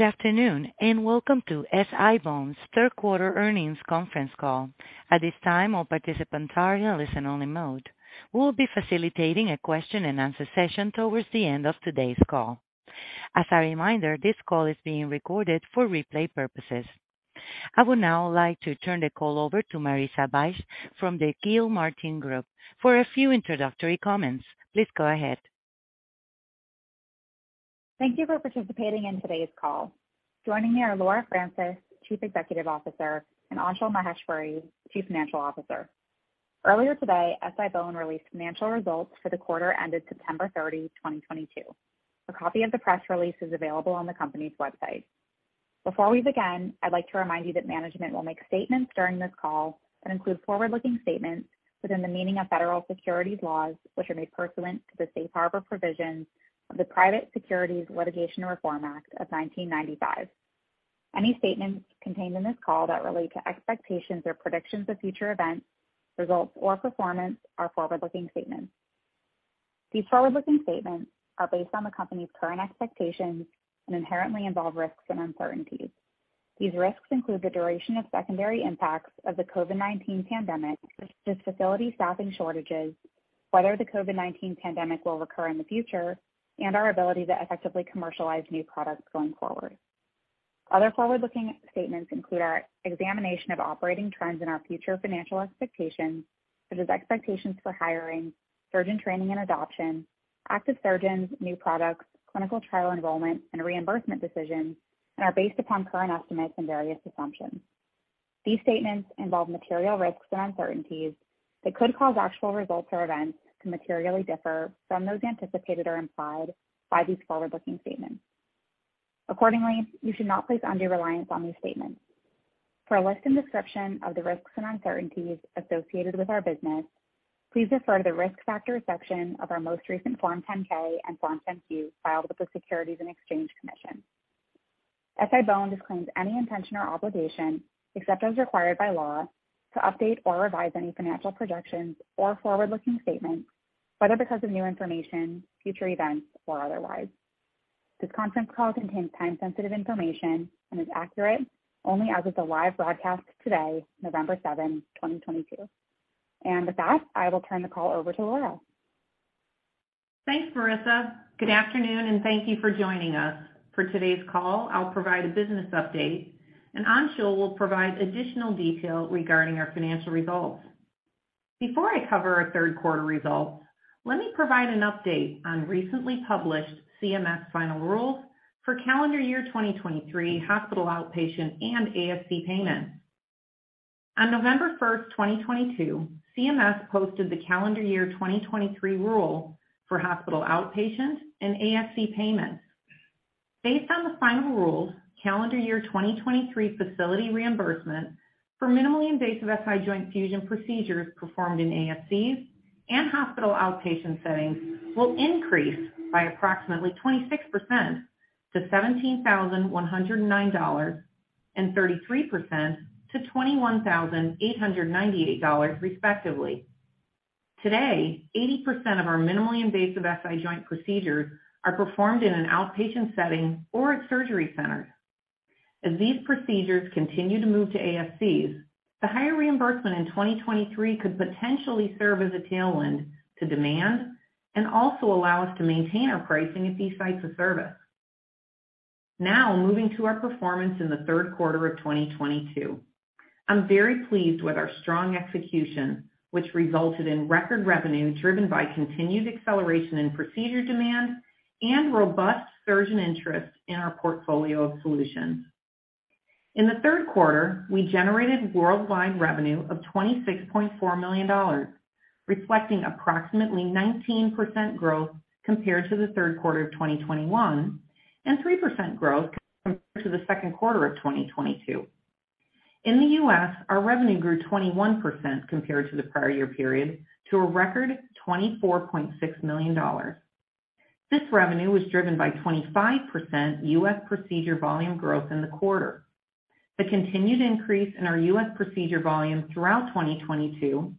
Good afternoon, and welcome to SI-BONE's third quarter earnings conference call. At this time, all participants are in listen-only mode. We'll be facilitating a question-and-answer session towards the end of today's call. As a reminder, this call is being recorded for replay purposes. I would now like to turn the call over to Marissa Bych from the Gilmartin Group for a few introductory comments. Please go ahead. Thank you for participating in today's call. Joining me are Laura Francis, Chief Executive Officer, and Anshul Maheshwari, Chief Financial Officer. Earlier today, SI-BONE released financial results for the quarter ended September 30, 2022. A copy of the press release is available on the company's website. Before we begin, I'd like to remind you that management will make statements during this call that include forward-looking statements within the meaning of federal securities laws, which are made pursuant to the Safe Harbor provisions of the Private Securities Litigation Reform Act of 1995. Any statements contained in this call that relate to expectations or predictions of future events, results, or performance are forward-looking statements. These forward-looking statements are based on the company's current expectations and inherently involve risks and uncertainties. These risks include the duration of secondary impacts of the COVID-19 pandemic, such as facility staffing shortages, whether the COVID-19 pandemic will recur in the future, and our ability to effectively commercialize new products going forward. Other forward-looking statements include our examination of operating trends and our future financial expectations, such as expectations for hiring, surgeon training and adoption, active surgeons, new products, clinical trial enrollment, and reimbursement decisions, and are based upon current estimates and various assumptions. These statements involve material risks or uncertainties that could cause actual results or events to materially differ from those anticipated or implied by these forward-looking statements. Accordingly, you should not place undue reliance on these statements. For a list and description of the risks and uncertainties associated with our business, please refer to the Risk Factors section of our most recent Form 10-K and Form 10-Q filed with the Securities and Exchange Commission. SI-BONE disclaims any intention or obligation, except as required by law, to update or revise any financial projections or forward-looking statements, whether because of new information, future events, or otherwise. This conference call contains time-sensitive information and is accurate only as of the live broadcast today, November 7th, 2022. With that, I will turn the call over to Laura. Thanks, Marissa. Good afternoon, and thank you for joining us. For today's call, I'll provide a business update, and Anshul will provide additional detail regarding our financial results. Before I cover our third quarter results, let me provide an update on recently published CMS final rules for calendar year 2023 hospital outpatient and ASC payments. On November 1st, 2022, CMS posted the calendar year 2023 rule for hospital outpatient and ASC payments. Based on the final rule, calendar year 2023 facility reimbursement for minimally invasive SI joint fusion procedures performed in ASCs and hospital outpatient settings will increase by approximately 26% to $17,109 and 33% to $21,898 respectively. Today, 80% of our minimally invasive SI joint procedures are performed in an outpatient setting or at surgery centers. As these procedures continue to move to ASCs, the higher reimbursement in 2023 could potentially serve as a tailwind to demand and also allow us to maintain our pricing at these sites of service. Now, moving to our performance in the third quarter of 2022. I'm very pleased with our strong execution, which resulted in record revenue driven by continued acceleration in procedure demand and robust surgeon interest in our portfolio of solutions. In the third quarter, we generated worldwide revenue of $26.4 million, reflecting approximately 19% growth compared to the third quarter of 2021 and 3% growth compared to the second quarter of 2022. In the US, our revenue grew 21% compared to the prior year period to a record $24.6 million. This revenue was driven by 25% US procedure volume growth in the quarter. The continued increase in our U.S. procedure volume throughout 2022,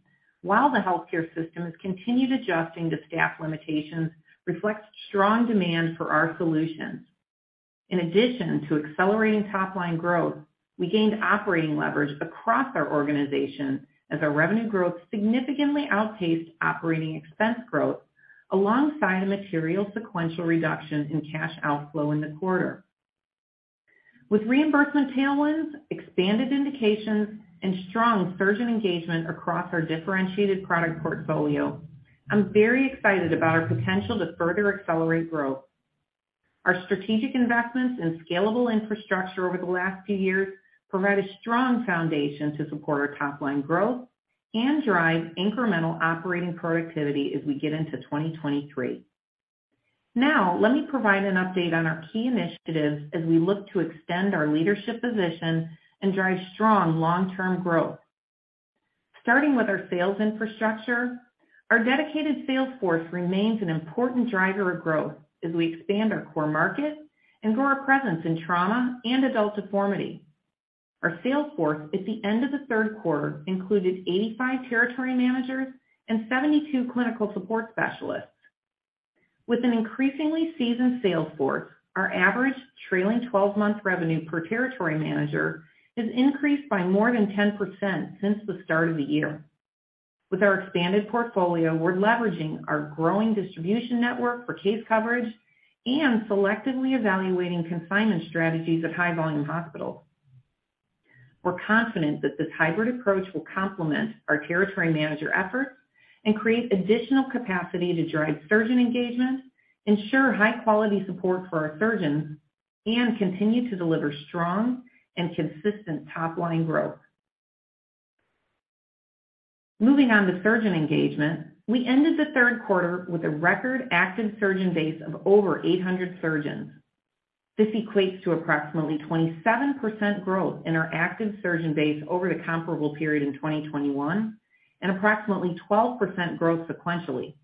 while the healthcare system has continued adjusting to staff limitations, reflects strong demand for our solutions. In addition to accelerating top-line growth, we gained operating leverage across our organization as our revenue growth significantly outpaced operating expense growth alongside a material sequential reduction in cash outflow in the quarter. With reimbursement tailwinds, expanded indications, and strong surgeon engagement across our differentiated product portfolio, I'm very excited about our potential to further accelerate growth. Our strategic investments in scalable infrastructure over the last few years provide a strong foundation to support our top-line growth and drive incremental operating productivity as we get into 2023. Now, let me provide an update on our key initiatives as we look to extend our leadership position and drive strong long-term growth. Starting with our sales infrastructure, our dedicated sales force remains an important driver of growth as we expand our core markets and grow our presence in trauma and adult deformity. Our sales force at the end of the third quarter included 85 Territory Managers and 72 clinical support specialists. With an increasingly seasoned sales force, our average trailing 12-month revenue per Territory Manager has increased by more than 10% since the start of the year. With our expanded portfolio, we're leveraging our growing distribution network for case coverage and selectively evaluating consignment strategies at high-volume hospitals. We're confident that this hybrid approach will complement our Territory Manager efforts and create additional capacity to drive surgeon engagement, ensure high-quality support for our surgeons, and continue to deliver strong and consistent top-line growth. Moving on to surgeon engagement. We ended the third quarter with a record active surgeon base of over 800 surgeons. This equates to approximately 27% growth in our active surgeon base over the comparable period in 2021 and approximately 12% growth sequentially.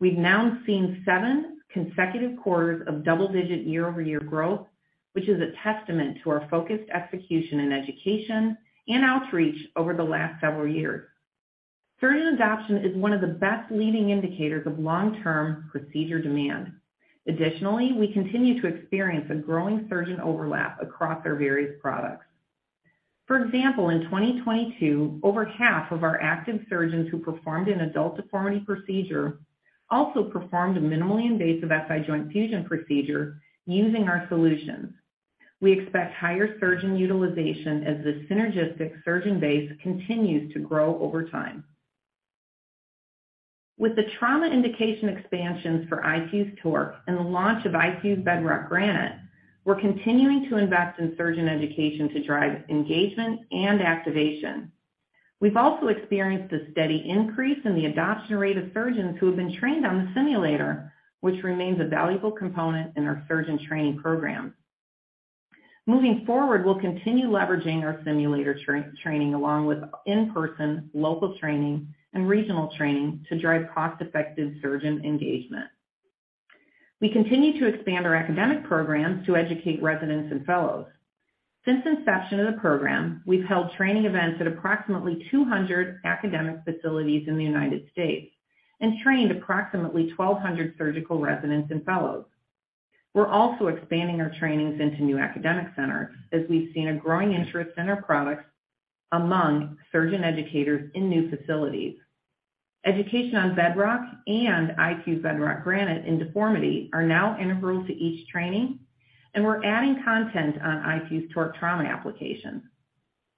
We've now seen seven consecutive quarters of double-digit year-over-year growth, which is a testament to our focused execution in education and outreach over the last several years. Surgeon adoption is one of the best leading indicators of long-term procedure demand. Additionally, we continue to experience a growing surgeon overlap across our various products. For example, in 2022, over half of our active surgeons who performed an adult deformity procedure also performed a minimally invasive SI joint fusion procedure using our solutions. We expect higher surgeon utilization as this synergistic surgeon base continues to grow over time. With the trauma indication expansions for iFuse TORQ and the launch of iFuse Bedrock Granite, we're continuing to invest in surgeon education to drive engagement and activation. We've also experienced a steady increase in the adoption rate of surgeons who have been trained on the simulator, which remains a valuable component in our surgeon training program. Moving forward, we'll continue leveraging our simulator training along with in-person local training and regional training to drive cost-effective surgeon engagement. We continue to expand our academic programs to educate residents and fellows. Since inception of the program, we've held training events at approximately 200 academic facilities in the United States and trained approximately 1,200 surgical residents and fellows. We're also expanding our trainings into new academic centers as we've seen a growing interest in our products among surgeon educators in new facilities. Education on iFuse Bedrock and iFuse's Bedrock Granite in deformity are now integral to each training, and we're adding content on iFuse TORQ trauma applications.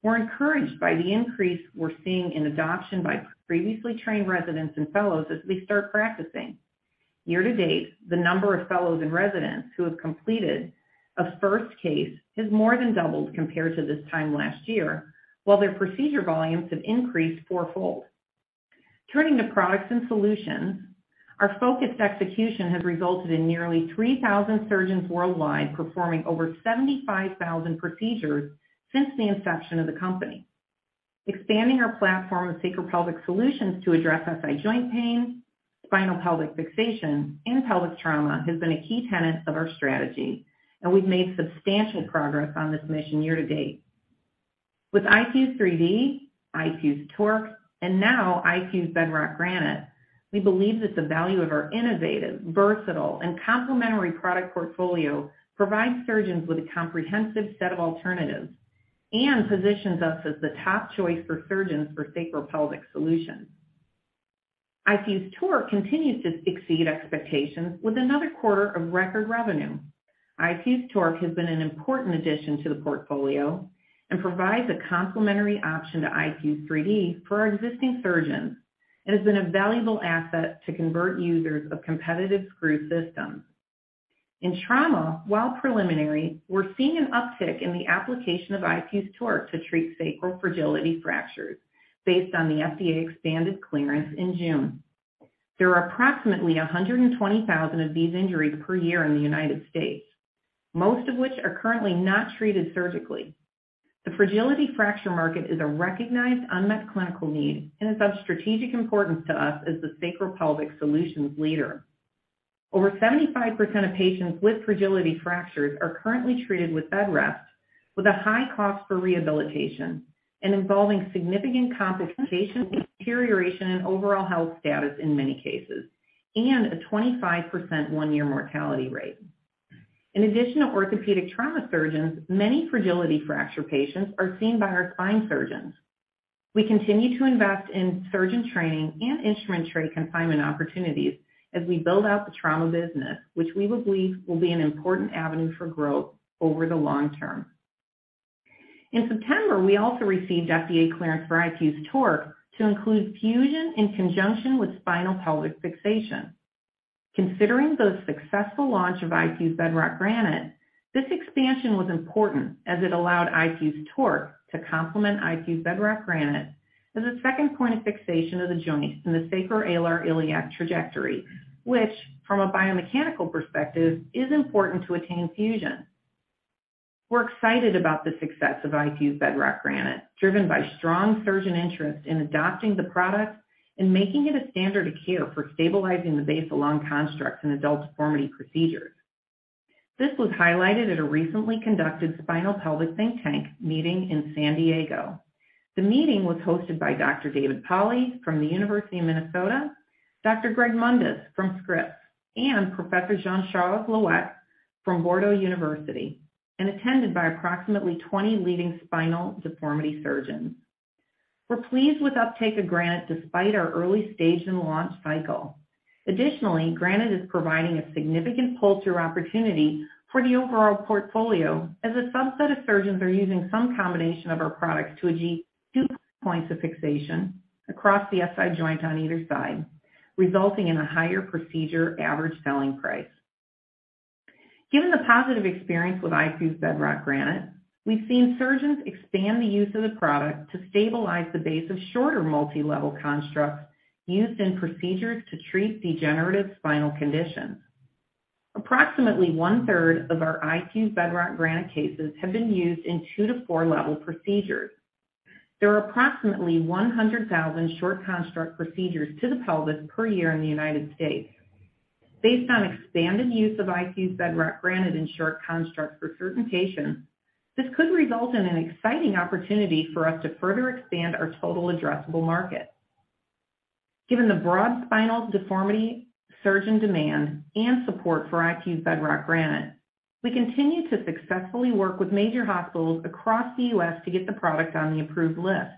We're encouraged by the increase we're seeing in adoption by previously trained residents and fellows as they start practicing. Year-to-date, the number of fellows and residents who have completed a first case has more than doubled compared to this time last year, while their procedure volumes have increased four-fold. Turning to products and solutions. Our focused execution has resulted in nearly 3,000 surgeons worldwide performing over 75,000 procedures since the inception of the company. Expanding our platform of sacral pelvic solutions to address SI joint pain, spinal pelvic fixation, and pelvic trauma has been a key tenet of our strategy, and we've made substantial progress on this mission year to date. With iFuse 3D, iFuse TORQ, and now iFuse Bedrock Granite, we believe that the value of our innovative, versatile, and complementary product portfolio provides surgeons with a comprehensive set of alternatives and positions us as the top choice for surgeons for sacral pelvic solutions. iFuse TORQ continues to exceed expectations with another quarter of record revenue. iFuse TORQ has been an important addition to the portfolio and provides a complementary option to iFuse 3D for our existing surgeons and has been a valuable asset to convert users of competitive screw systems. In trauma, while preliminary, we're seeing an uptick in the application of iFuse TORQ to treat sacral fragility fractures based on the FDA expanded clearance in June. There are approximately 120,000 of these injuries per year in the United States, most of which are currently not treated surgically. The fragility fracture market is a recognized unmet clinical need and is of strategic importance to us as the sacral pelvic solutions leader. Over 75% of patients with fragility fractures are currently treated with bed rest, with a high cost for rehabilitation and involving significant complications, deterioration in overall health status in many cases, and a 25% one-year mortality rate. In addition to orthopedic trauma surgeons, many fragility fracture patients are seen by our spine surgeons. We continue to invest in surgeon training and instrument tray consignment opportunities as we build out the trauma business, which we believe will be an important avenue for growth over the long term. In September, we also received FDA clearance for iFuse TORQ to include fusion in conjunction with spinal pelvic fixation. Considering the successful launch of iFuse Bedrock Granite, this expansion was important as it allowed iFuse TORQ to complement iFuse Bedrock Granite as a second point of fixation of the joint in the sacral alar-iliac trajectory, which, from a biomechanical perspective, is important to attain fusion. We're excited about the success of iFuse Bedrock Granite, driven by strong surgeon interest in adopting the product and making it a standard of care for stabilizing the base of long constructs in adult deformity procedures. This was highlighted at a recently conducted spinopelvic think tank meeting in San Diego. The meeting was hosted by Dr. David Polly from the University of Minnesota, Dr. Greg Mundis from Scripps, and Professor Jean-Charles Le Huec from University of Bordeaux, and attended by approximately 20 leading spinal deformity surgeons. We're pleased with uptake of Granite despite our early stage in launch cycle. Additionally, Granite is providing a significant pull-through opportunity for the overall portfolio as a subset of surgeons are using some combination of our products to achieve two points of fixation across the SI joint on either side, resulting in a higher procedure average selling price. Given the positive experience with iFuse Bedrock Granite, we've seen surgeons expand the use of the product to stabilize the base of shorter multi-level constructs used in procedures to treat degenerative spinal conditions. Approximately 1/3 of our iFuse Bedrock Granite cases have been used in two- to four-level procedures. There are approximately 100,000 short construct procedures to the pelvis per year in the United States. Based on expanded use of iFuse Bedrock Granite in short constructs for certification, this could result in an exciting opportunity for us to further expand our total addressable market. Given the broad spinal deformity surgeon demand and support for iFuse Bedrock Granite, we continue to successfully work with major hospitals across the U.S. to get the product on the approved list.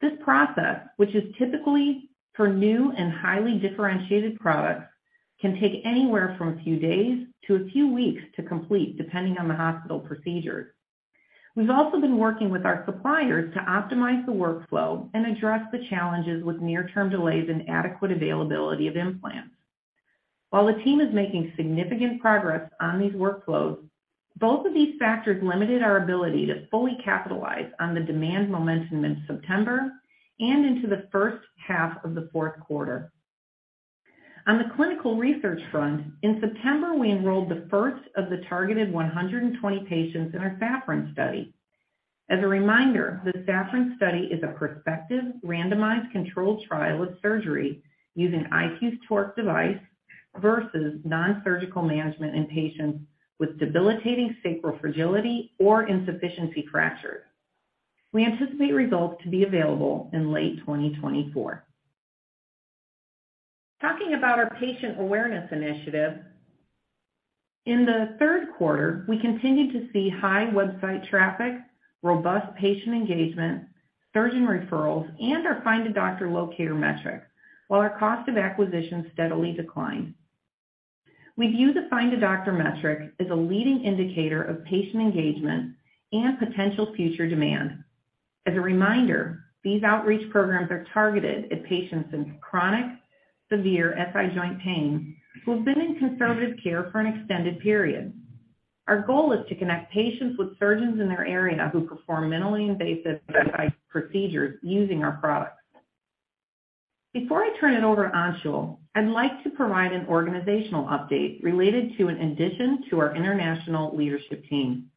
This process, which is typically for new and highly differentiated products, can take anywhere from a few days to a few weeks to complete, depending on the hospital procedures. We've also been working with our suppliers to optimize the workflow and address the challenges with near-term delays and adequate availability of implants. While the team is making significant progress on these workflows, both of these factors limited our ability to fully capitalize on the demand momentum in September and into the first half of the fourth quarter. On the clinical research front, in September, we enrolled the first of the targeted 120 patients in our SAFFRON study. As a reminder, the SAFFRON study is a prospective randomized controlled trial of surgery using iFuse TORQ device versus nonsurgical management in patients with debilitating sacral fragility or insufficiency fractures. We anticipate results to be available in late 2024. Talking about our patient awareness initiative. In the third quarter, we continued to see high website traffic, robust patient engagement, surgeon referrals, and our Find a Doctor locator metric, while our cost of acquisition steadily declined. We view the Find a Doctor metric as a leading indicator of patient engagement and potential future demand. As a reminder, these outreach programs are targeted at patients in chronic severe SI joint pain who have been in conservative care for an extended period. Our goal is to connect patients with surgeons in their area who perform minimally invasive SI procedures using our products. Before I turn it over to Anshul, I'd like to provide an organizational update related to an addition to our international leadership team.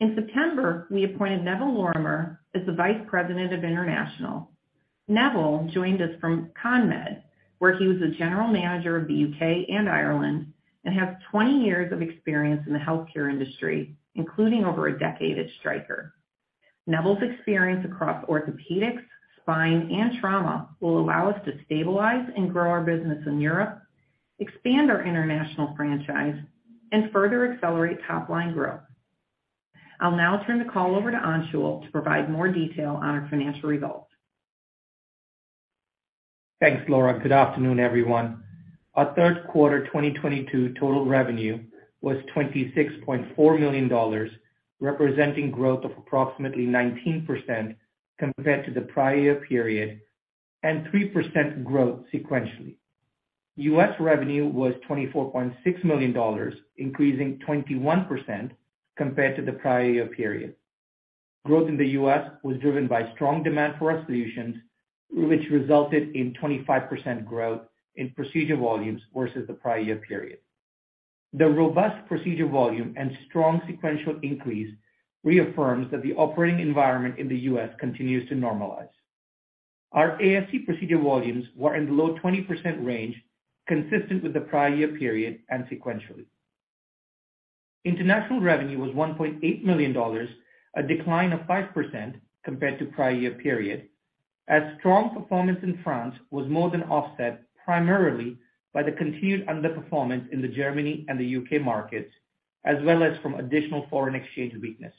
In September, we appointed Neville Lorimer as the Vice President of International. Neville joined us from CONMED, where he was the general manager of the UK and Ireland and has 20 years of experience in the healthcare industry, including over a decade at Stryker. Neville's experience across orthopedics, spine, and trauma will allow us to stabilize and grow our business in Europe, expand our international franchise, and further accelerate top-line growth. I'll now turn the call over to Anshul to provide more detail on our financial results. Thanks, Laura. Good afternoon, everyone. Our third quarter 2022 total revenue was $26.4 million, representing growth of approximately 19% compared to the prior year period and 3% growth sequentially. U.S. revenue was $24.6 million, increasing 21% compared to the prior year period. Growth in the U.S. was driven by strong demand for our solutions, which resulted in 25% growth in procedure volumes versus the prior year period. The robust procedure volume and strong sequential increase reaffirms that the operating environment in the U.S. continues to normalize. Our ASC procedure volumes were in the low 20% range, consistent with the prior year period and sequentially. International revenue was $1.8 million, a decline of 5% compared to prior year period, as strong performance in France was more than offset primarily by the continued underperformance in the Germany and the UK markets, as well as from additional foreign exchange weakness.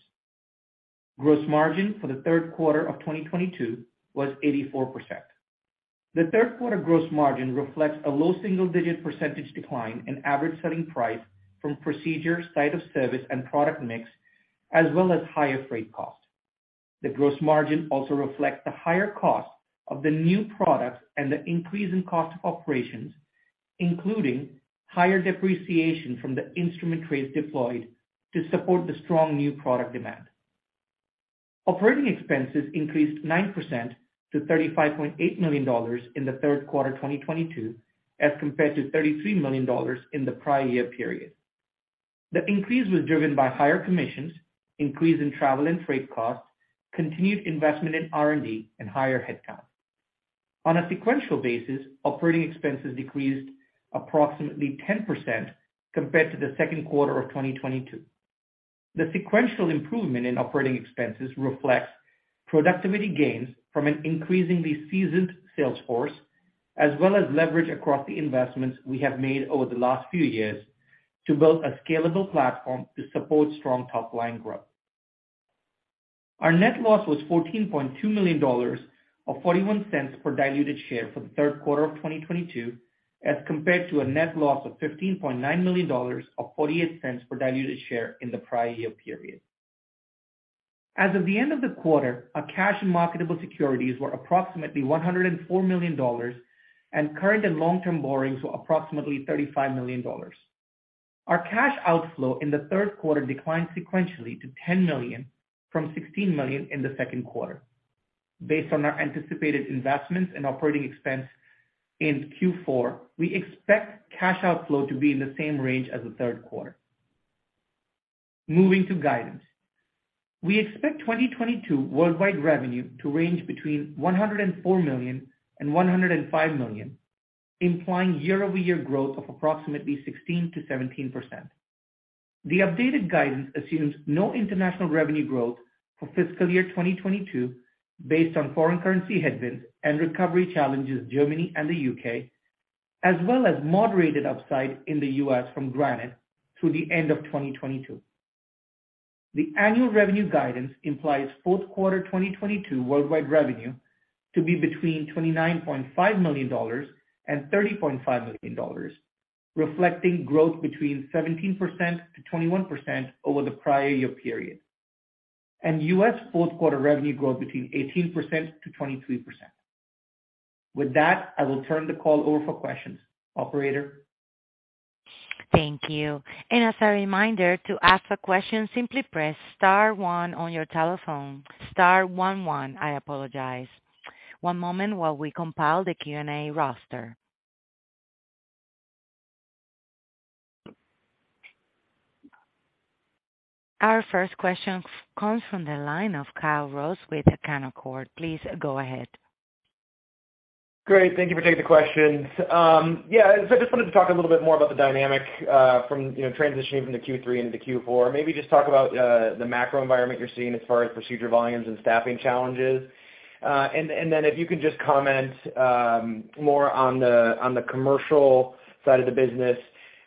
Gross margin for the third quarter of 2022 was 84%. The third quarter gross margin reflects a low single-digit percentage decline in average selling price from procedure, site of service, and product mix, as well as higher freight cost. The gross margin also reflects the higher cost of the new products and the increase in cost of operations, including higher depreciation from the instrument trays deployed to support the strong new product demand. Operating expenses increased 9% to $35.8 million in the third quarter of 2022, as compared to $33 million in the prior year period. The increase was driven by higher commissions, increase in travel and freight costs, continued investment in R&D and higher headcount. On a sequential basis, operating expenses decreased approximately 10% compared to the second quarter of 2022. The sequential improvement in operating expenses reflects productivity gains from an increasingly seasoned sales force, as well as leverage across the investments we have made over the last few years to build a scalable platform to support strong top line growth. Our net loss was $14.2 million, or $0.41 per diluted share for the third quarter of 2022, as compared to a net loss of $15.9 million, or $0.48 per diluted share in the prior year period. As of the end of the quarter, our cash and marketable securities were approximately $104 million and current and long-term borrowings were approximately $35 million. Our cash outflow in the third quarter declined sequentially to $10 million from $16 million in the second quarter. Based on our anticipated investments and operating expense in Q4, we expect cash outflow to be in the same range as the third quarter. Moving to guidance. We expect 2022 worldwide revenue to range between $104 million and $105 million, implying year-over-year growth of approximately 16%-17%. The updated guidance assumes no international revenue growth for fiscal year 2022 based on foreign currency headwinds and recovery challenges in Germany and the UK, as well as moderated upside in the US from Granite through the end of 2022. The annual revenue guidance implies fourth quarter 2022 worldwide revenue to be between $29.5 million and $30.5 million, reflecting growth between 17%-21% over the prior year period, and US fourth quarter revenue growth between 18%-23%. With that, I will turn the call over for questions. Operator? Thank you. As a reminder to ask a question, simply press star one on your telephone. Star one one. I apologize. One moment while we compile the Q&A roster. Our first question comes from the line of Kyle Rose with Canaccord Genuity. Please go ahead. Great. Thank you for taking the questions. Yeah, I just wanted to talk a little bit more about the dynamic from, you know, transitioning from the Q3 into Q4. Maybe just talk about the macro environment you're seeing as far as procedure volumes and staffing challenges. And then if you can just comment more on the commercial side of the business.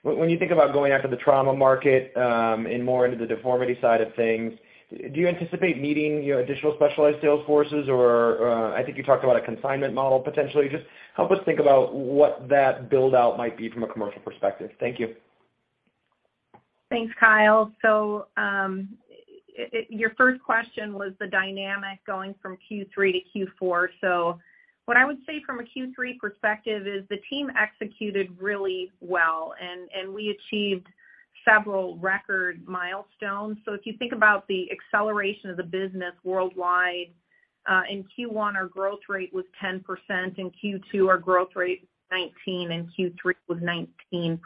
When you think about going after the trauma market and more into the deformity side of things, do you anticipate needing, you know, additional specialized sales forces? Or I think you talked about a consignment model, potentially. Just help us think about what that build out might be from a commercial perspective. Thank you. Thanks, Kyle. Your first question was the dynamic going from Q3-Q4. What I would say from a Q3 perspective is the team executed really well and we achieved several record milestones. If you think about the acceleration of the business worldwide, in Q1, our growth rate was 10%. In Q2, our growth rate 19, and Q3 was 19%.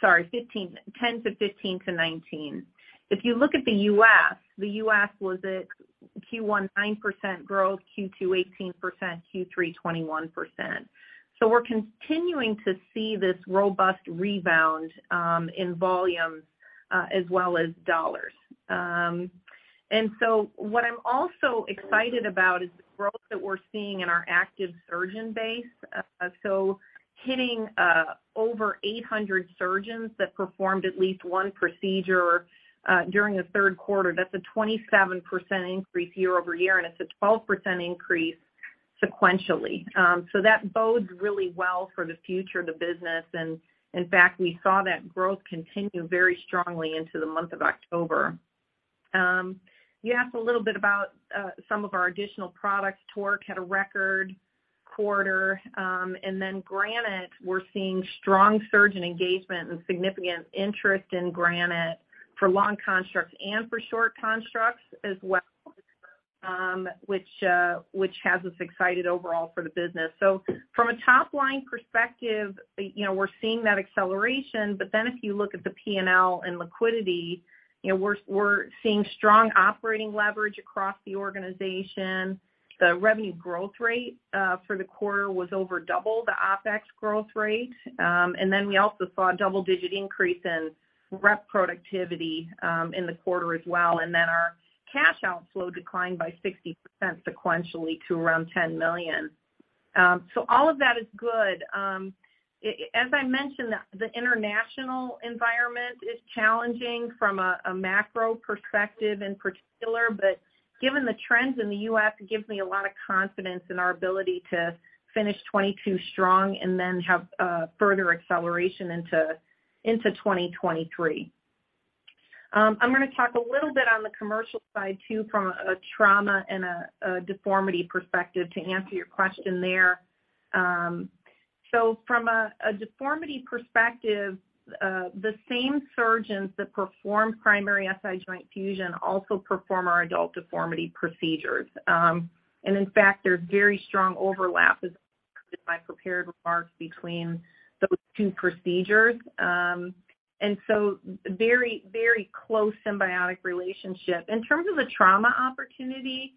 Sorry, 15, 10-15-19. If you look at the US, the US was at Q1, 9% growth, Q2, 18%, Q3, 21%. We're continuing to see this robust rebound in volume as well as dollars. What I'm also excited about is the growth that we're seeing in our active surgeon base. Hitting over 800 surgeons that performed at least one procedure during the third quarter, that's a 27% increase year-over-year, and it's a 12% increase sequentially. That bodes really well for the future of the business. In fact, we saw that growth continue very strongly into the month of October. You asked a little bit about some of our additional products. TORQ had a record quarter, and then Granite, we're seeing strong surgeon engagement and significant interest in Granite for long constructs and for short constructs as well, which has us excited overall for the business. From a top-line perspective, you know, we're seeing that acceleration. If you look at the P&L and liquidity, you know, we're seeing strong operating leverage across the organization. The revenue growth rate for the quarter was over double the OpEx growth rate. We also saw a double-digit increase in rep productivity in the quarter as well. Our cash outflow declined by 60% sequentially to around $10 million. All of that is good. As I mentioned, the international environment is challenging from a macro perspective in particular, but given the trends in the U.S., it gives me a lot of confidence in our ability to finish 2022 strong and then have further acceleration into 2023. I'm going to talk a little bit on the commercial side too, from a trauma and a deformity perspective to answer your question there. From a deformity perspective, the same surgeons that perform primary SI joint fusion also perform our adult deformity procedures. In fact, there's very strong overlap as in my prepared remarks between those two procedures. Very, very close symbiotic relationship. In terms of the trauma opportunity,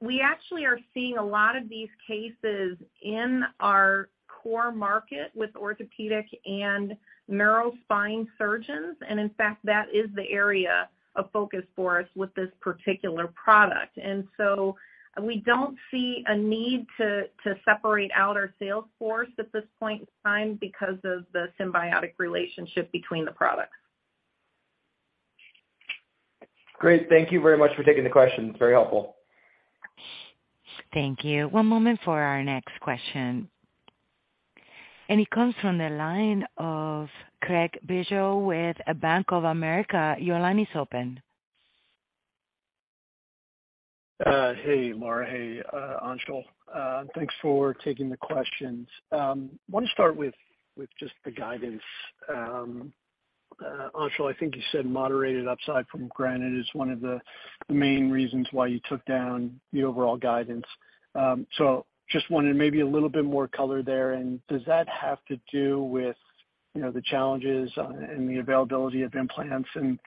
we actually are seeing a lot of these cases in our core market with orthopedic and neuro spine surgeons. In fact, that is the area of focus for us with this particular product. We don't see a need to separate out our sales force at this point in time because of the symbiotic relationship between the products. Great. Thank you very much for taking the question. It's very helpful. Thank you. One moment for our next question, and it comes from the line of Craig Bijou with Bank of America. Your line is open. Hey, Laura. Hey, Anshul. Thanks for taking the questions. Want to start with just the guidance. Anshul, I think you said moderated upside from Granite is one of the main reasons why you took down the overall guidance. So just wondering maybe a little bit more color there. Does that have to do with, you know, the challenges and the availability of implants? You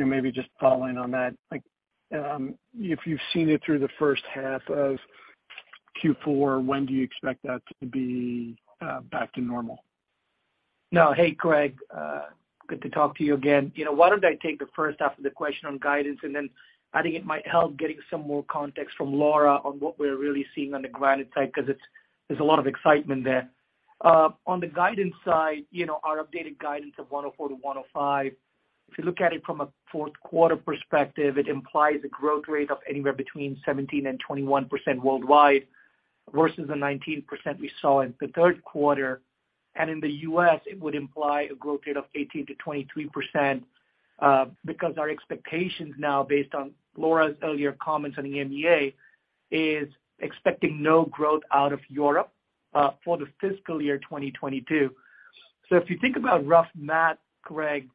know, maybe just following on that, like, if you've seen it through the first half of Q4, when do you expect that to be back to normal? No. Hey, Craig, good to talk to you again. You know, why don't I take the first half of the question on guidance, and then I think it might help getting some more context from Laura on what we're really seeing on the Granite side, because there's a lot of excitement there. On the guidance side, you know, our updated guidance of $100-$105, if you look at it from a fourth quarter perspective, it implies a growth rate of anywhere between 17%-21% worldwide versus the 19% we saw in the third quarter. In the US, it would imply a growth rate of 18%-23%, because our expectations now, based on Laura's earlier comments on the EMEA, is expecting no growth out of Europe, for the fiscal year 2022. If you think about rough math, Craig,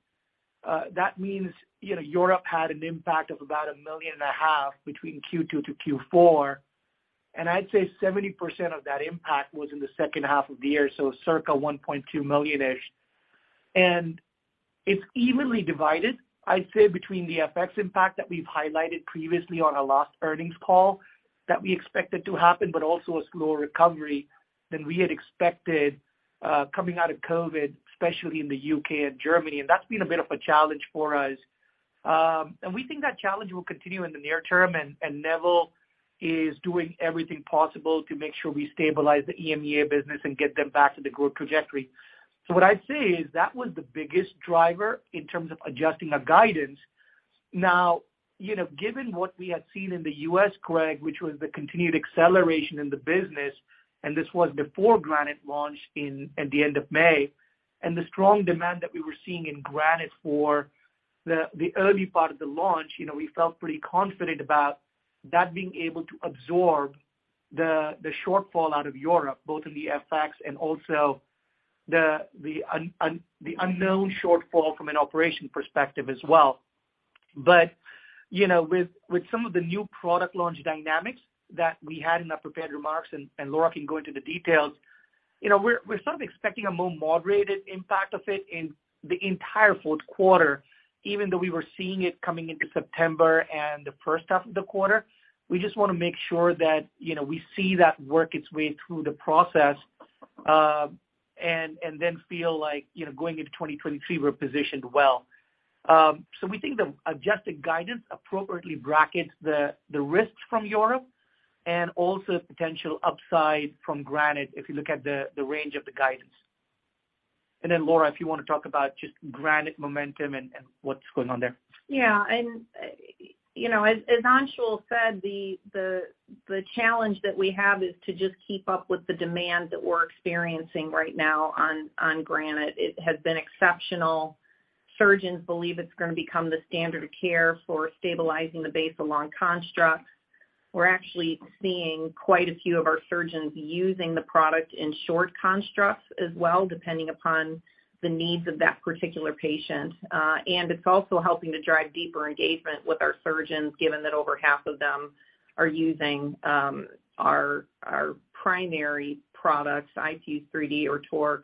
that means, you know, Europe had an impact of about $1.5 million between Q2-Q4, and I'd say 70% of that impact was in the second half of the year. Circa $1.2 million-ish. It's evenly divided, I'd say, between the FX impact that we've highlighted previously on our last earnings call that we expected to happen, but also a slower recovery than we had expected, coming out of COVID, especially in the UK and Germany. That's been a bit of a challenge for us. We think that challenge will continue in the near term. Neville is doing everything possible to make sure we stabilize the EMEA business and get them back to the growth trajectory. What I'd say is that was the biggest driver in terms of adjusting our guidance. Now, you know, given what we had seen in the U.S., Craig, which was the continued acceleration in the business, and this was before Granite launched at the end of May, and the strong demand that we were seeing in Granite for the early part of the launch, you know, we felt pretty confident about that being able to absorb the shortfall out of Europe, both in the FX and also the unknown shortfall from an operation perspective as well. You know, with some of the new product launch dynamics that we had in our prepared remarks, and Laura can go into the details. You know, we're sort of expecting a more moderated impact of it in the entire fourth quarter, even though we were seeing it coming into September and the first half of the quarter. We just wanna make sure that, you know, we see that work its way through the process, and then feel like, you know, going into 2023, we're positioned well. We think the adjusted guidance appropriately brackets the risks from Europe and also potential upside from Granite if you look at the range of the guidance. Then, Laura, if you want to talk about just Granite momentum and what's going on there. Yeah. You know, as Anshul said, the challenge that we have is to just keep up with the demand that we're experiencing right now on Granite. It has been exceptional. Surgeons believe it's gonna become the standard of care for stabilizing the base of long constructs. We're actually seeing quite a few of our surgeons using the product in short constructs as well, depending upon the needs of that particular patient. It's also helping to drive deeper engagement with our surgeons, given that over half of them are using our primary products, iFuse-3D or TORQ,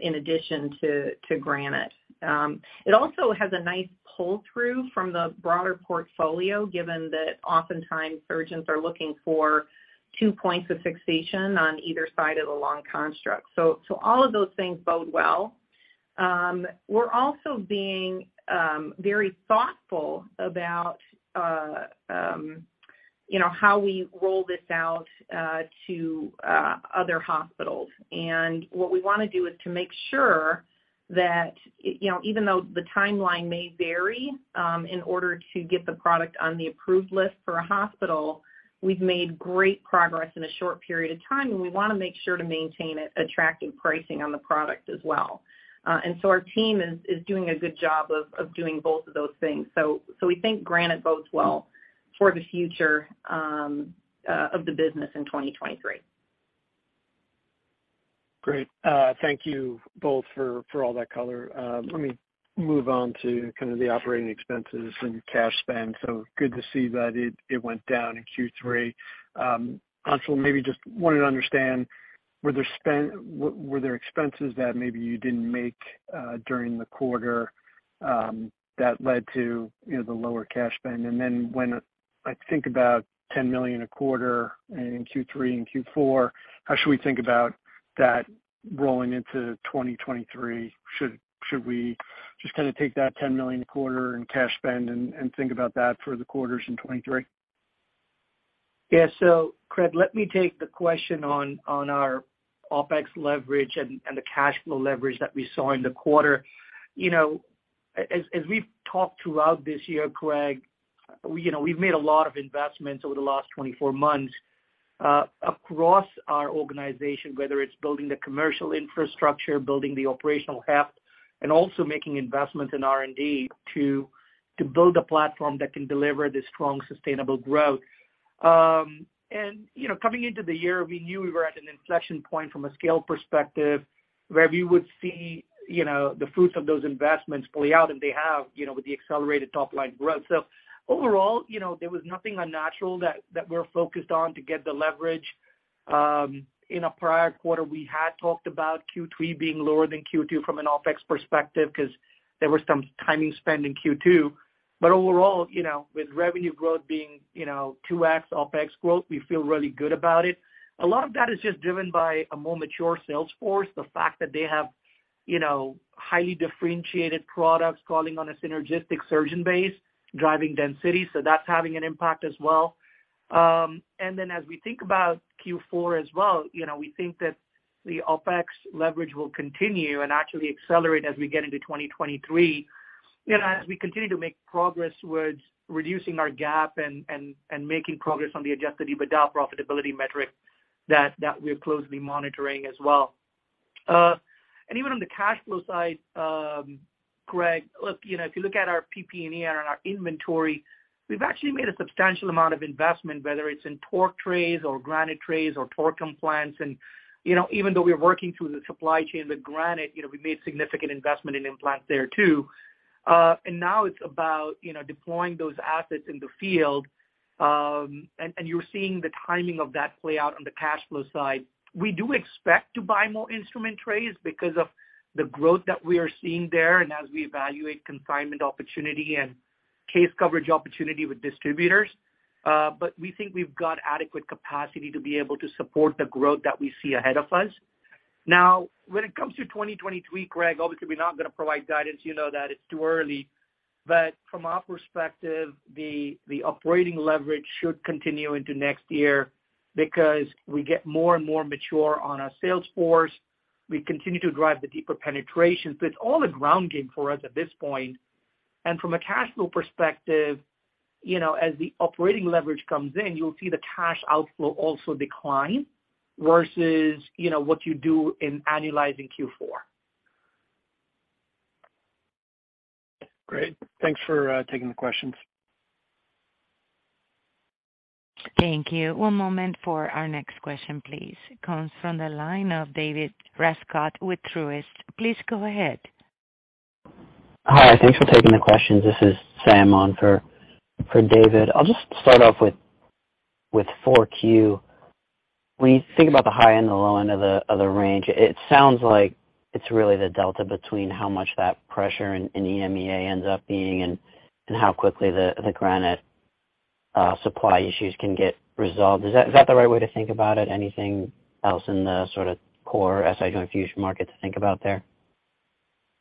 in addition to Granite. It also has a nice pull through from the broader portfolio, given that oftentimes surgeons are looking for two points of fixation on either side of the long construct. All of those things bode well. We're also being very thoughtful about, you know, how we roll this out to other hospitals. What we wanna do is to make sure that, you know, even though the timeline may vary, in order to get the product on the approved list for a hospital, we've made great progress in a short period of time, and we wanna make sure to maintain attractive pricing on the product as well. Our team is doing a good job of doing both of those things. We think Granite bodes well for the future of the business in 2023. Great. Thank you both for all that color. Let me move on to kind of the operating expenses and cash spend. Good to see that it went down in Q3. Anshul, maybe just wanted to understand were there expenses that maybe you didn't make during the quarter that led to, you know, the lower cash spend? When I think about $10 million a quarter in Q3 and Q4, how should we think about that rolling into 2023? Should we just kind of take that $10 million a quarter in cash spend and think about that for the quarters in 2023? Craig, let me take the question on our OpEx leverage and the cash flow leverage that we saw in the quarter. You know, as we've talked throughout this year, Craig, you know, we've made a lot of investments over the last 24 months across our organization, whether it's building the commercial infrastructure, building the operational heft, and also making investments in R&D to build a platform that can deliver this strong, sustainable growth. You know, coming into the year, we knew we were at an inflection point from a scale perspective where we would see, you know, the fruits of those investments play out, and they have, you know, with the accelerated top line growth. Overall, you know, there was nothing unnatural that we're focused on to get the leverage. In a prior quarter, we had talked about Q3 being lower than Q2 from an OpEx perspective because there was some timing spend in Q2. Overall, you know, with revenue growth being, you know, 2x OpEx growth, we feel really good about it. A lot of that is just driven by a more mature sales force. The fact that they have, you know, highly differentiated products calling on a synergistic surgeon base, driving density, so that's having an impact as well. Then as we think about Q4 as well, you know, we think that the OpEx leverage will continue and actually accelerate as we get into 2023, you know, as we continue to make progress with reducing our gap and making progress on the adjusted EBITDA profitability metric that we're closely monitoring as well. Even on the cash flow side, Craig, look, you know, if you look at our PP&E and our inventory, we've actually made a substantial amount of investment, whether it's in TORQ trays or Granite trays or TORQ implants. Even though we're working through the supply chain with Granite, you know, we made significant investment in implants there too. Now it's about, you know, deploying those assets in the field, and you're seeing the timing of that play out on the cash flow side. We do expect to buy more instrument trays because of the growth that we are seeing there and as we evaluate consignment opportunity and case coverage opportunity with distributors. We think we've got adequate capacity to be able to support the growth that we see ahead of us. Now, when it comes to 2023, Craig, obviously we're not gonna provide guidance. You know that it's too early. From our perspective, the operating leverage should continue into next year because we get more and more mature on our sales force. We continue to drive the deeper penetration. It's all a ground game for us at this point. From a cash flow perspective, you know, as the operating leverage comes in, you'll see the cash outflow also decline versus what you do in analyzing Q4. Great. Thanks for taking the questions. Thank you. One moment for our next question, please. It comes from the line of David Rescott with Truist. Please go ahead. Hi. Thanks for taking the questions. This is Sam on for David. I'll just start off with Q4. When you think about the high end and the low end of the range, it sounds like it's really the delta between how much that pressure in EMEA ends up being and how quickly the Granite supply issues can get resolved. Is that the right way to think about it? Anything else in the sort of core SI joint fusion market to think about there?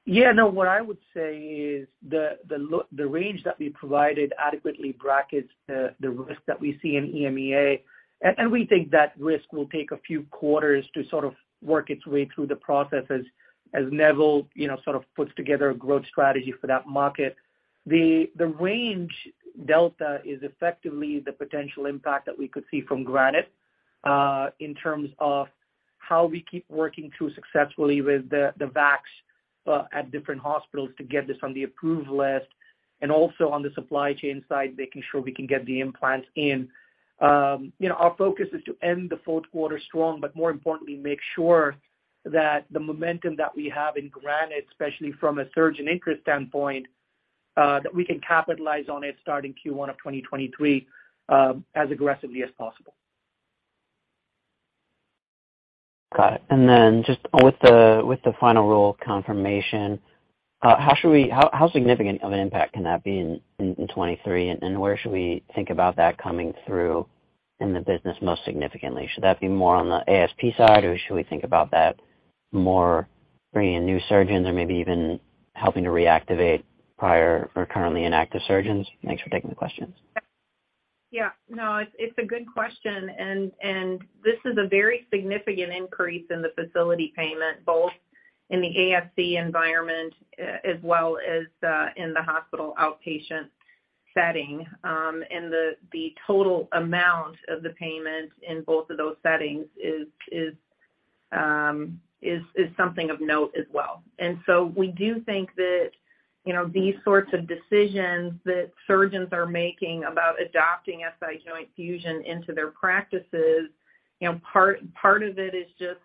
Yeah, no, what I would say is the range that we provided adequately brackets the risk that we see in EMEA. We think that risk will take a few quarters to sort of work its way through the processes as Neville, you know, sort of puts together a growth strategy for that market. The range delta is effectively the potential impact that we could see from Granite in terms of how we keep working through successfully with the VAC at different hospitals to get this on the approved list and also on the supply chain side, making sure we can get the implants in. you know, our focus is to end the fourth quarter strong, but more importantly, make sure that the momentum that we have in Granite, especially from a surgeon interest standpoint, that we can capitalize on it starting Q1 of 2023, as aggressively as possible. Got it. Just with the final rule confirmation, how significant of an impact can that be in 2023, and where should we think about that coming through in the business most significantly? Should that be more on the ASP side, or should we think about that more bringing in new surgeons or maybe even helping to reactivate prior or currently inactive surgeons? Thanks for taking the questions. Yeah. No, it's a good question. This is a very significant increase in the facility payment, both in the ASC environment, as well as in the hospital outpatient setting. The total amount of the payment in both of those settings is something of note as well. We do think that you know, these sorts of decisions that surgeons are making about adopting SI joint fusion into their practices, you know, part of it is just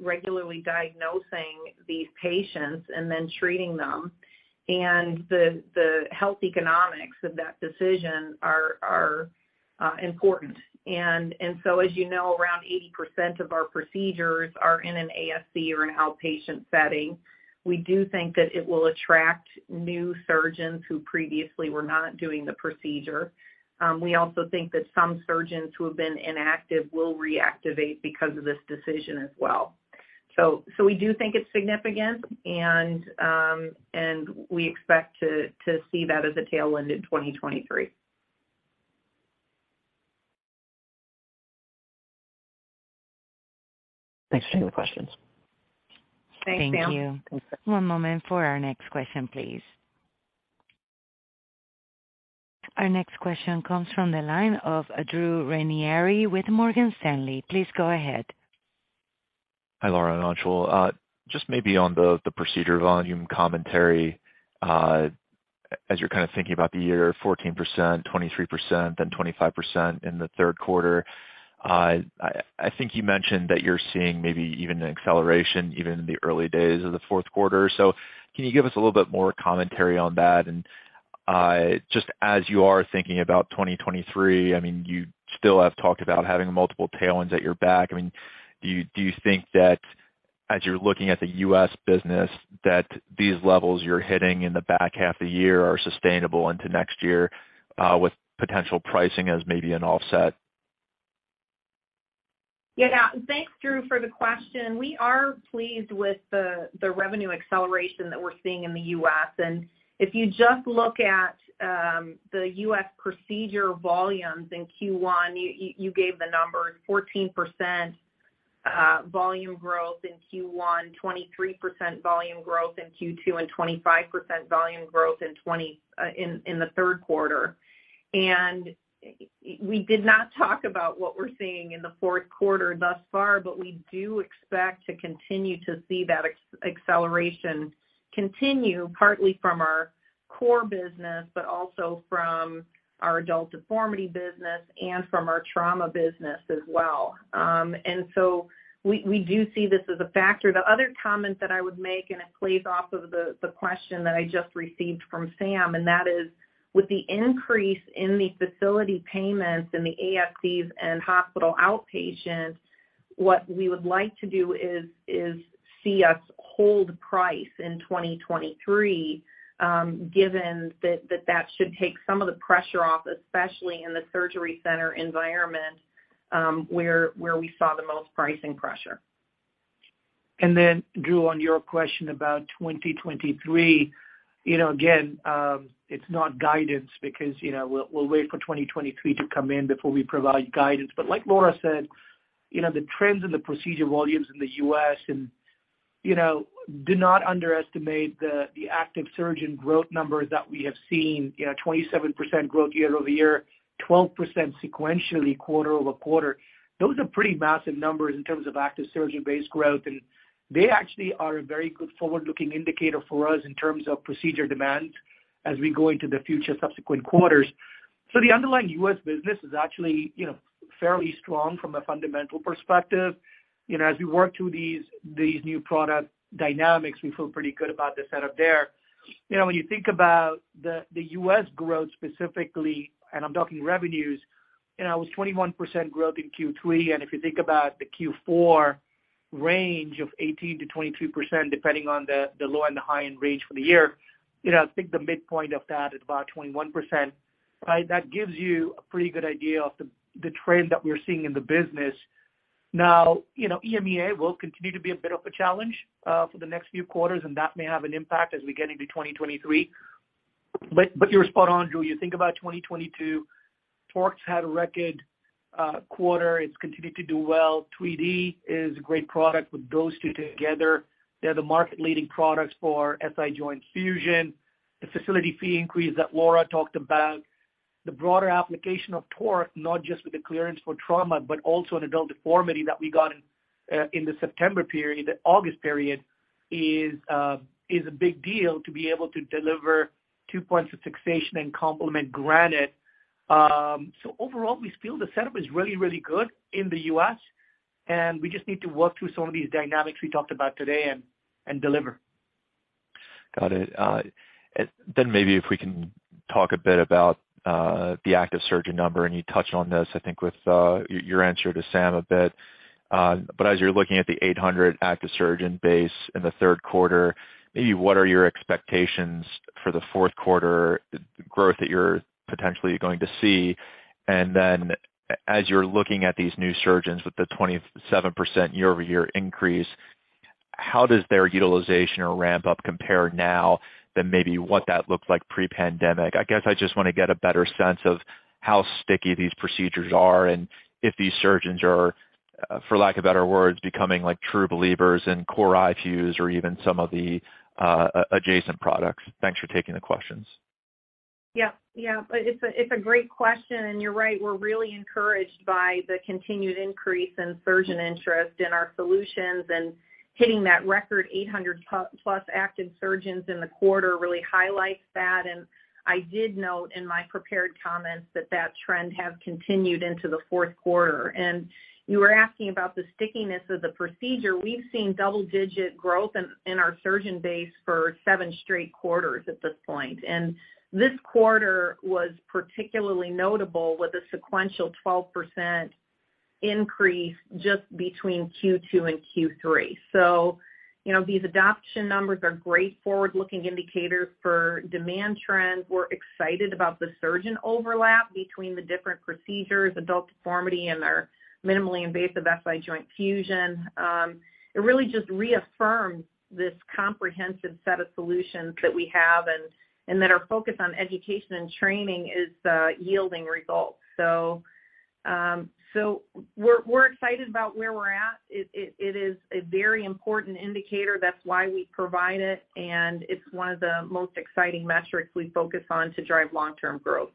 regularly diagnosing these patients and then treating them. The health economics of that decision are important. As you know, around 80% of our procedures are in an ASC or an outpatient setting. We do think that it will attract new surgeons who previously were not doing the procedure. We also think that some surgeons who have been inactive will reactivate because of this decision as well. We do think it's significant, and we expect to see that as a tailwind in 2023. Thanks for taking the questions. Thanks, Sam. Thank you. One moment for our next question, please. Our next question comes from the line of Drew Ranieri with Morgan Stanley. Please go ahead. Hi, Laura and Anshul. Just maybe on the procedure volume commentary. As you're kind of thinking about the year 14%, 23%, then 25% in the third quarter. I think you mentioned that you're seeing maybe even an acceleration even in the early days of the fourth quarter. Can you give us a little bit more commentary on that? Just as you are thinking about 2023, I mean, you still have talked about having multiple tailwinds at your back. I mean, do you think that as you're looking at the U.S. business, that these levels you're hitting in the back half of the year are sustainable into next year, with potential pricing as maybe an offset? Yeah. Thanks, Drew, for the question. We are pleased with the revenue acceleration that we're seeing in the US. If you just look at the US procedure volumes in Q1, you gave the numbers, 14% volume growth in Q1, 23% volume growth in Q2, and 25% volume growth in the third quarter. We did not talk about what we're seeing in the fourth quarter thus far, but we do expect to continue to see that acceleration continue partly from our core business, but also from our adult deformity business and from our trauma business as well. We do see this as a factor. The other comment that I would make, and it plays off of the question that I just received from Sam, and that is, with the increase in the facility payments in the ASCs and hospital outpatient, what we would like to do is see us hold price in 2023, given that should take some of the pressure off, especially in the surgery center environment, where we saw the most pricing pressure. Drew, on your question about 2023, you know, again, it's not guidance because, you know, we'll wait for 2023 to come in before we provide guidance. Like Laura said, you know, the trends in the procedure volumes in the US and do not underestimate the active surgeon growth numbers that we have seen. You know, 27% growth year-over-year, 12% sequentially quarter-over-quarter. Those are pretty massive numbers in terms of active surgeon base growth, and they actually are a very good forward-looking indicator for us in terms of procedure demand as we go into the future subsequent quarters. The underlying US business is actually, you know, fairly strong from a fundamental perspective. You know, as we work through these new product dynamics, we feel pretty good about the setup there. You know, when you think about the U.S. growth specifically, and I'm talking revenues, you know, it was 21% growth in Q3. If you think about the Q4 range of 18%-22%, depending on the low and the high-end range for the year, you know, I think the midpoint of that is about 21%, right? That gives you a pretty good idea of the trend that we're seeing in the business. Now, you know, EMEA will continue to be a bit of a challenge for the next few quarters, and that may have an impact as we get into 2023. You're spot on, Drew. You think about 2022, TORQ had a record quarter. It's continued to do well. 3D is a great product. With those two together, they're the market leading products for SI joint fusion. The facility fee increase that Laura talked about, the broader application of TORQ, not just with the clearance for trauma, but also in adult deformity that we got in the September period, the August period is a big deal to be able to deliver two points of fixation and complement Granite. Overall, we feel the setup is really, really good in the US, and we just need to work through some of these dynamics we talked about today and deliver. Got it. Then maybe if we can talk a bit about the active surgeon number, and you touched on this, I think, with your answer to Sam a bit. But as you're looking at the 800 active surgeon base in the third quarter, maybe what are your expectations for the fourth quarter growth that you're potentially going to see? And then as you're looking at these new surgeons with the 27% year-over-year increase, how does their utilization or ramp up compare now than maybe what that looked like pre-pandemic? I guess I just want to get a better sense of how sticky these procedures are and if these surgeons are, for lack of better words, becoming like true believers in iFuse or even some of the adjacent products. Thanks for taking the questions. Yeah. It's a great question. You're right, we're really encouraged by the continued increase in surgeon interest in our solutions and hitting that record 800-plus active surgeons in the quarter really highlights that. I did note in my prepared comments that that trend has continued into the fourth quarter. You were asking about the stickiness of the procedure. We've seen double-digit growth in our surgeon base for 7 straight quarters at this point. This quarter was particularly notable with a sequential 12% increase just between Q2 and Q3. You know, these adoption numbers are great forward-looking indicators for demand trends. We're excited about the surgeon overlap between the different procedures, adult deformity and our minimally invasive SI joint fusion. It really just reaffirms this comprehensive set of solutions that we have and that our focus on education and training is yielding results. We're excited about where we're at. It is a very important indicator. That's why we provide it, and it's one of the most exciting metrics we focus on to drive long-term growth.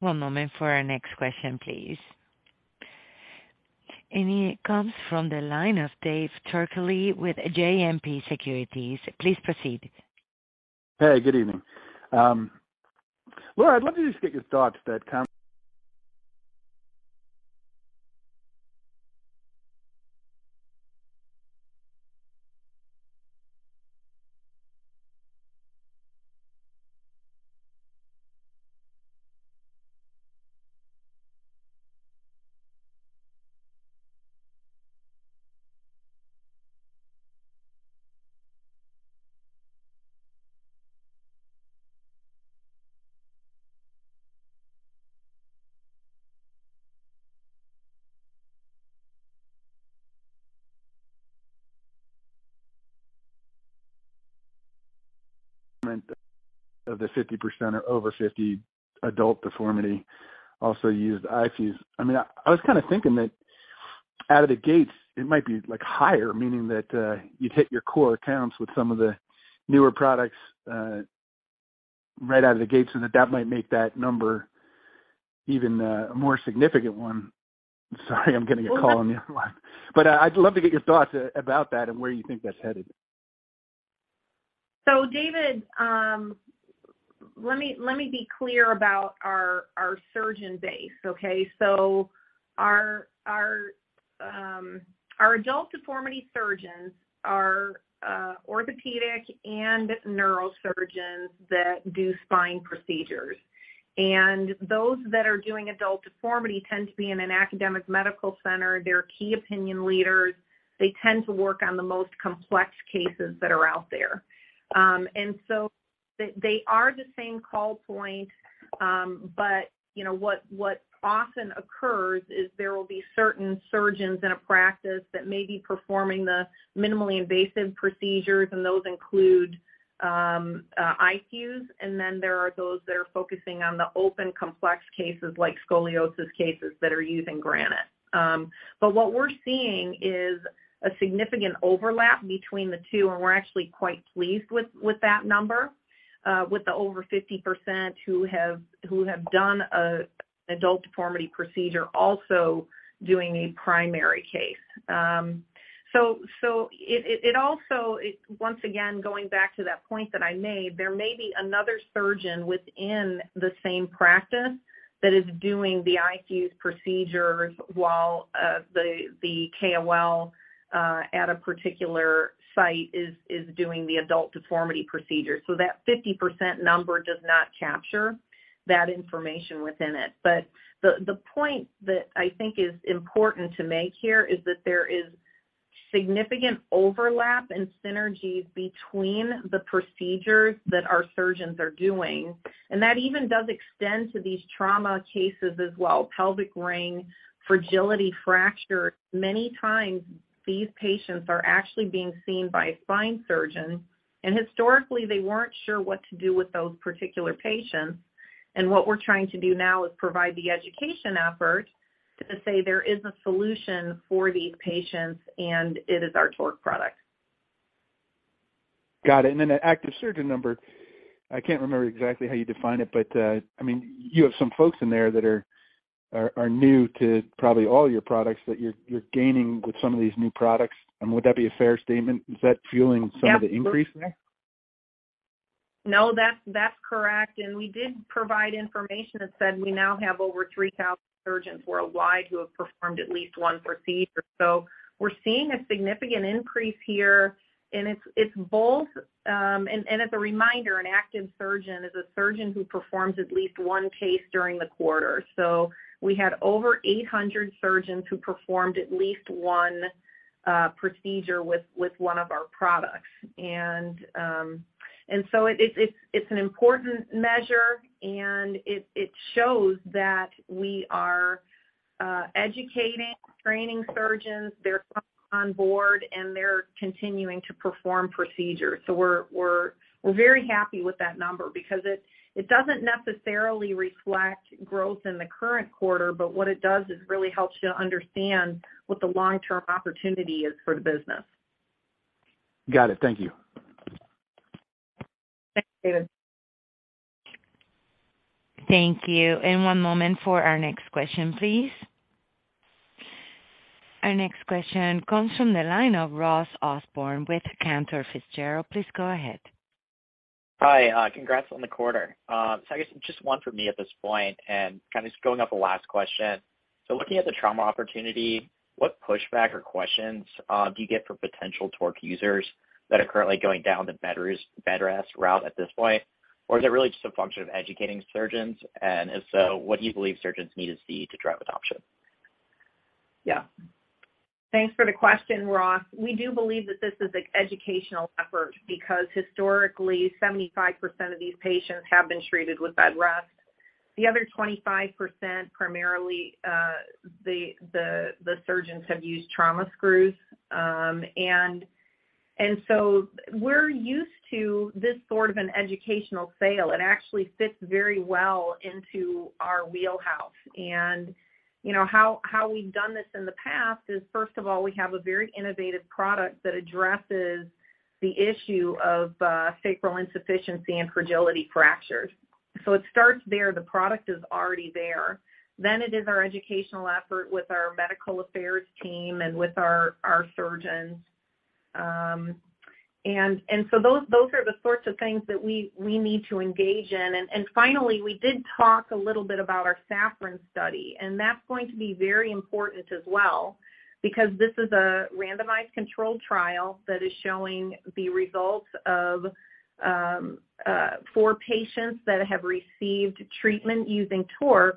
One moment for our next question, please. It comes from the line of David Turkaly with JMP Securities. Please proceed. Hey, good evening. Laura, I'd love to just get your thoughts on the 50% or over 50% adult deformity also used iFuse. I mean, I was kinda thinking that out of the gates, it might be like higher, meaning that you'd hit your core accounts with some of the newer products right out of the gates, and that might make that number even a more significant one. Sorry, I'm getting a call on the other line. I'd love to get your thoughts about that and where you think that's headed. David, let me be clear about our surgeon base, okay? Our adult deformity surgeons are orthopedic and neurosurgeons that do spine procedures. Those that are doing adult deformity tend to be in an academic medical center. They're key opinion leaders. They tend to work on the most complex cases that are out there. They are the same call point, but you know, what often occurs is there will be certain surgeons in a practice that may be performing the minimally invasive procedures, and those include iFuse. Then there are those that are focusing on the open complex cases like scoliosis cases that are using Granite. What we're seeing is a significant overlap between the two, and we're actually quite pleased with that number. With the over 50% who have done an adult deformity procedure also doing a primary case. It also, once again, going back to that point that I made, there may be another surgeon within the same practice that is doing the iFuse procedures while the KOL at a particular site is doing the adult deformity procedure. That 50% number does not capture that information within it. The point that I think is important to make here is that there is significant overlap and synergy between the procedures that our surgeons are doing. That even does extend to these trauma cases as well. Pelvic ring, fragility fracture. Many times these patients are actually being seen by a spine surgeon, and historically, they weren't sure what to do with those particular patients. What we're trying to do now is provide the education effort to say there is a solution for these patients, and it is our TORQ product. Got it. Then the active surgeon number, I can't remember exactly how you defined it, but I mean, you have some folks in there that are new to probably all your products that you're gaining with some of these new products. I mean, would that be a fair statement? Is that fueling some of the increase there? No, that's correct. We did provide information that said we now have over 3,000 surgeons worldwide who have performed at least one procedure. We're seeing a significant increase here, and as a reminder, an active surgeon is a surgeon who performs at least one case during the quarter. We had over 800 surgeons who performed at least one procedure with one of our products. It is an important measure, and it shows that we are educating, training surgeons, they're on board, and they're continuing to perform procedures. We're very happy with that number because it doesn't necessarily reflect growth in the current quarter, but what it does is really helps you understand what the long-term opportunity is for the business. Got it. Thank you. Thanks, David. Thank you. One moment for our next question, please. Our next question comes from the line of Ross Osborn with Cantor Fitzgerald. Please go ahead. Hi, congrats on the quarter. I guess just one for me at this point and kind of just going off the last question. Looking at the trauma opportunity, what pushback or questions do you get for potential TORQ users that are currently going down the bed rest route at this point? Or is it really just a function of educating surgeons? If so, what do you believe surgeons need to see to drive adoption? Yeah. Thanks for the question, Ross. We do believe that this is an educational effort because historically, 75% of these patients have been treated with bed rest. The other 25%, primarily, the surgeons have used trauma screws. And so we're used to this sort of an educational sale. It actually fits very well into our wheelhouse. You know, how we've done this in the past is, first of all, we have a very innovative product that addresses the issue of sacral insufficiency and fragility fractures. It starts there. The product is already there. It is our educational effort with our medical affairs team and with our surgeons. And so those are the sorts of things that we need to engage in. Finally, we did talk a little bit about our SAFFRON study, and that's going to be very important as well because this is a randomized controlled trial that is showing the results of four patients that have received treatment using TORQ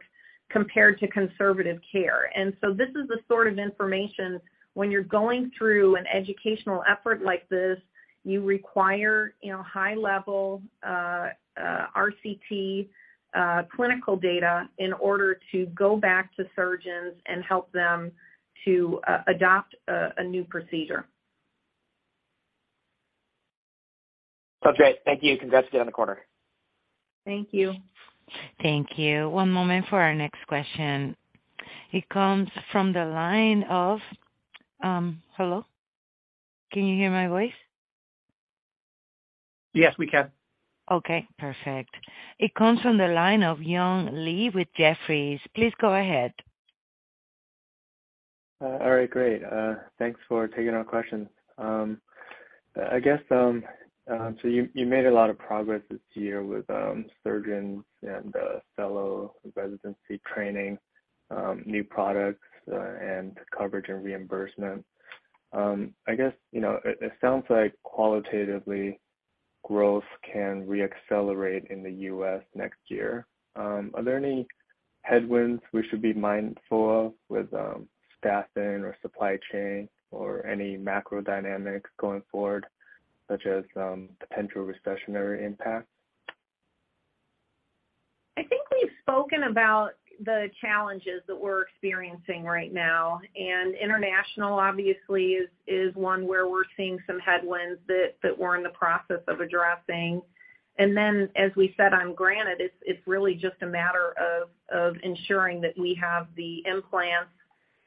compared to conservative care. This is the sort of information when you're going through an educational effort like this, you require, you know, high level RCT clinical data in order to go back to surgeons and help them to adopt a new procedure. Sounds great. Thank you. Congrats again on the quarter. Thank you. Thank you. One moment for our next question. It comes from the line of, Hello? Can you hear my voice? Yes, we can. Okay, perfect. It comes from the line of Young Li with Jefferies. Please go ahead. All right, great. Thanks for taking our questions. I guess so you made a lot of progress this year with surgeons and fellow residency training, new products, and coverage and reimbursement. I guess, you know, it sounds like qualitatively growth can reaccelerate in the US next year. Are there any headwinds we should be mindful of with staffing or supply chain or any macro dynamics going forward, such as potential recessionary impact? I think we've spoken about the challenges that we're experiencing right now. International obviously is one where we're seeing some headwinds that we're in the process of addressing. Then as we said on Granite, it's really just a matter of ensuring that we have the implants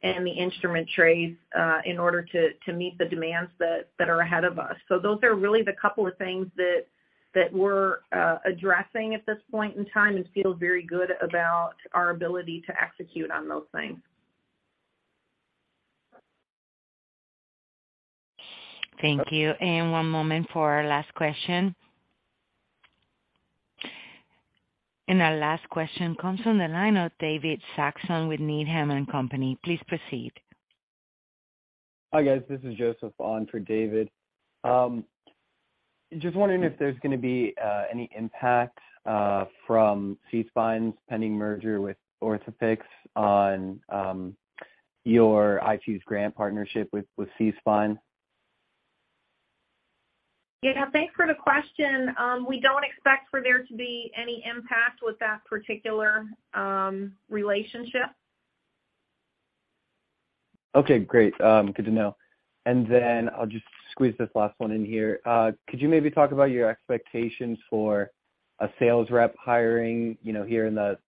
and the instrument trays in order to meet the demands that are ahead of us. Those are really the couple of things that we're addressing at this point in time and feel very good about our ability to execute on those things. Thank you. One moment for our last question. Our last question comes from the line of David Saxon with Needham & Company. Please proceed. Hi, guys. This is Joseph on for David. Just wondering if there's gonna be any impact from SeaSpine's pending merger with Orthofix on your iFuse Granite partnership with SeaSpine. Yeah, thanks for the question. We don't expect for there to be any impact with that particular relationship. Okay, great. Good to know. Then I'll just squeeze this last one in here. Could you maybe talk about your expectations for a sales rep hiring, you know, here in the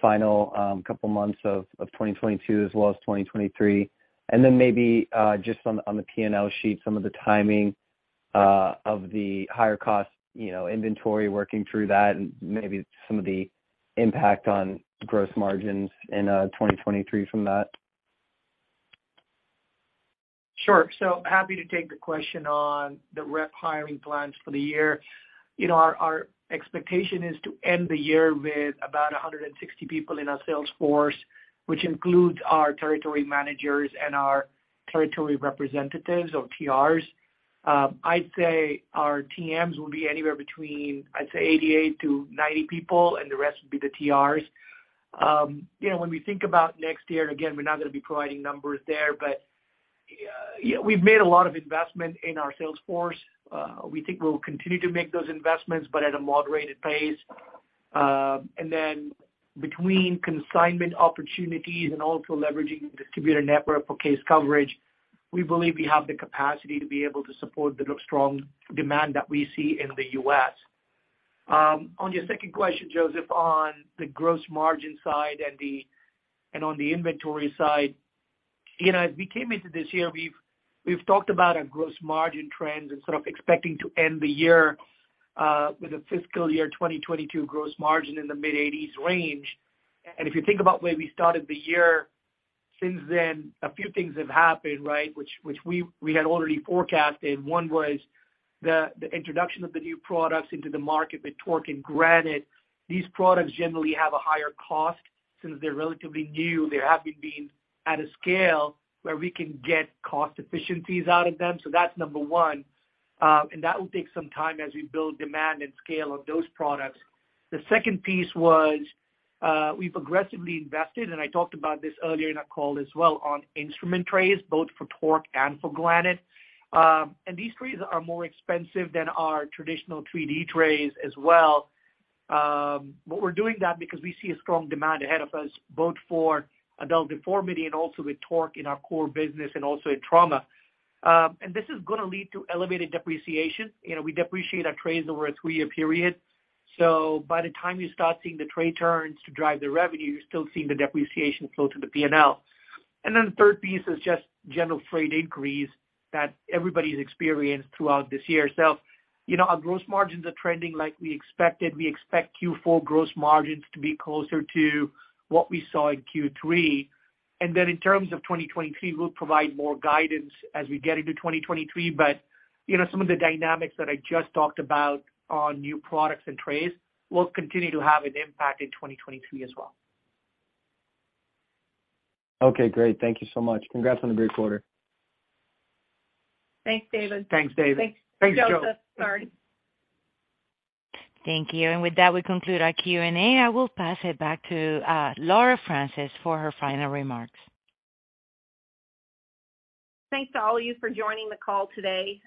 final couple months of 2022 as well as 2023? Then maybe just on the P&L sheet, some of the timing of the higher cost, you know, inventory working through that and maybe some of the impact on gross margins in 2023 from that. Sure. Happy to take the question on the rep hiring plans for the year. You know, our expectation is to end the year with about 160 people in our sales force, which includes our Territory Managers and our Territory Representatives or TRs. I'd say our TMs will be anywhere between, I'd say 88-90 people, and the rest would be the TRs. You know, when we think about next year, again, we're not gonna be providing numbers there, but, you know, we've made a lot of investment in our sales force. We think we'll continue to make those investments, but at a moderated pace. Then between consignment opportunities and also leveraging distributor network for case coverage, we believe we have the capacity to be able to support the strong demand that we see in the U.S. On your second question, Joseph, on the gross margin side and on the inventory side. You know, as we came into this year, we talked about our gross margin trends and sort of expecting to end the year with a fiscal year 2022 gross margin in the mid-80s% range. If you think about where we started the year, since then, a few things have happened, right? Which we had already forecasted. One was the introduction of the new products into the market with TORQ and Granite. These products generally have a higher cost since they're relatively new. They haven't been at a scale where we can get cost efficiencies out of them. That's number one. That will take some time as we build demand and scale of those products. The second piece was we've aggressively invested, and I talked about this earlier in our call as well, on instrument trays, both for TORQ and for Granite. These trays are more expensive than our traditional 3D trays as well. We're doing that because we see a strong demand ahead of us, both for adult deformity and also with TORQ in our core business and also in trauma. This is gonna lead to elevated depreciation. You know, we depreciate our trays over a three-year period. By the time you start seeing the tray turns to drive the revenue, you're still seeing the depreciation flow through the P&L. The third piece is just general freight increase that everybody's experienced throughout this year. You know, our gross margins are trending like we expected. We expect Q4 gross margins to be closer to what we saw in Q3. Then in terms of 2023, we'll provide more guidance as we get into 2023. You know, some of the dynamics that I just talked about on new products and trays will continue to have an impact in 2023 as well. Okay, great. Thank you so much. Congrats on a great quarter. Thanks, David. Thanks, David. Thanks, Joseph. Sorry. Thank you. With that, we conclude our Q&A. I will pass it back to Laura Francis for her final remarks. Thanks to all of you for joining the call today.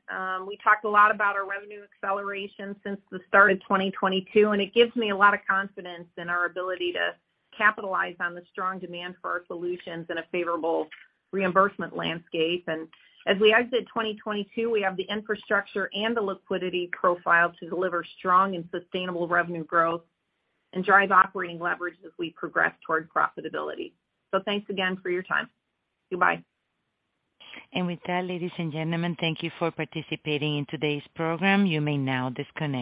We talked a lot about our revenue acceleration since the start of 2022, and it gives me a lot of confidence in our ability to capitalize on the strong demand for our solutions in a favorable reimbursement landscape. We exit 2022 with the infrastructure and the liquidity profile to deliver strong and sustainable revenue growth and drive operating leverage as we progress toward profitability. Thanks again for your time. Goodbye. With that, ladies and gentlemen, thank you for participating in today's program. You may now disconnect.